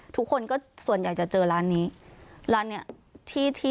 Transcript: ทุกคนก็ส่วนใหญ่จะเจอร้านนี้ร้านเนี้ยที่ที่